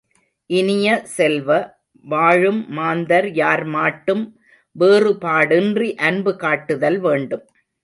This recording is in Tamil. இனிய செல்வ, வாழும் மாந்தர் யார் மாட்டும் வேறுபாடின்றி அன்பு காட்டுதல் வேண்டும்.